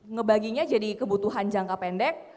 ngebaginya jadi kebutuhan jangka pendek